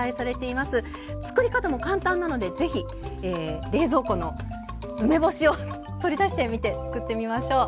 作り方も簡単なので是非冷蔵庫の梅干しを取り出してみて作ってみましょう。